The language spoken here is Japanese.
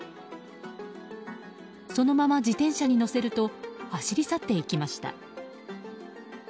そのまま自転車に載せると走り去っていきました。